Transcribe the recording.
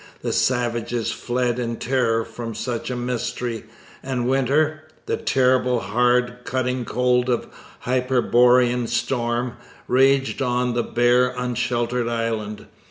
The savages fled in terror from such a mystery, and winter the terrible, hard, cutting cold of hyperborean storm raged on the bare, unsheltered island.